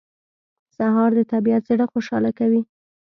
سهار د طبیعت زړه خوشاله کوي.